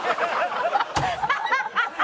ハハハハ！